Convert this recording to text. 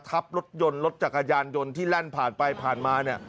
ทับรถยนต์รถจักรยานยนต์ที่แล่นผ่านไปผ่านมา